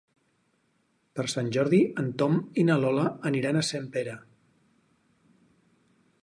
Per Sant Jordi en Tom i na Lola aniran a Sempere.